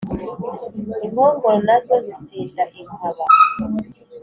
inkongoro nazo zisinda inkaba